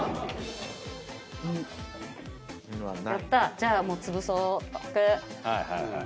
じゃあもうつぶそうっと。